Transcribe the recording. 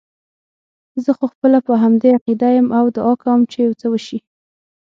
زه خو خپله په همدې عقیده یم او دعا کوم چې یو څه وشي.